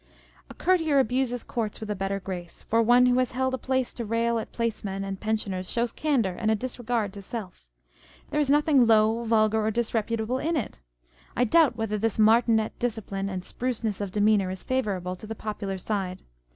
A courtier abuses courts with a better grace : for one who has held a place to rail at place men and pensioners shows candour and a disregard to self. There is nothing low, vulgar, or disre putable in it ! I doubt whether this martinet discipline and spruceness of demeanour is favourable to the popular side.